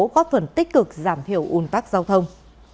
góp phần tích cực giảm thiểu un tắc giao thông